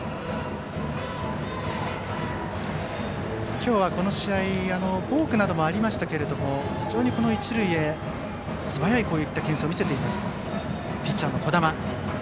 今日はこの試合ボークなどもありましたが非常に、一塁へすばやいけん制を見せていますピッチャーの児玉。